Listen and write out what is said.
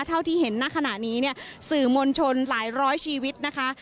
เท่าที่เห็นณขณะนี้เนี่ยสื่อมวลชนหลายร้อยชีวิตนะคะ